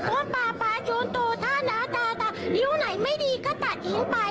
พ่อปาปาชุนตูท่านาตาตานิ้วไหนไม่ดีก็ตัดยิงไป